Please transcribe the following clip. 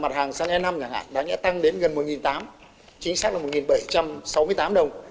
mặt hàng xăng e năm nhà hàng đã tăng đến gần một tám trăm linh chính xác là một bảy trăm sáu mươi tám đồng